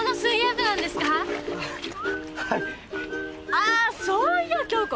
ああそういや響子。